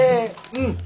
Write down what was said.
うん。